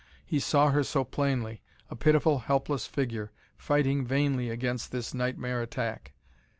He saw her so plainly a pitiful, helpless figure, fighting vainly against this nightmare attack.